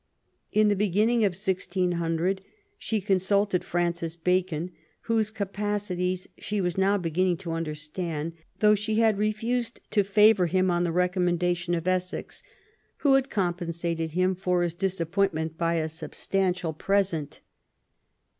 In the beginning of 1600 she consulted Francis Bacon, whose capacities she was now beginning to understand, though she had refused to favour him on the recommendation of Essex, who had compensated him for his disappoint ment by a substantial present.